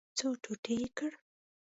څو ټوټې یې کړ.